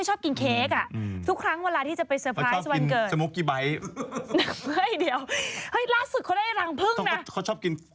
ใช่หรอเรื่องแรกมันใช่ใช่ใช่ใช่ใช่ใช่ใช่